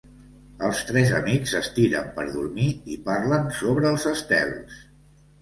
Els tres amics s'estiren per dormir i parlen sobre els estels.